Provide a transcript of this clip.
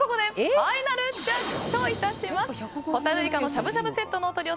ファイナルジャッジ！